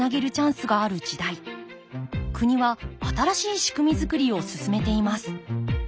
国は新しい仕組み作りを進めています。